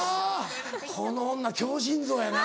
この女強心臓やな。